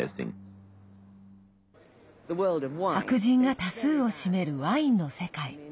白人が多数を占めるワインの世界。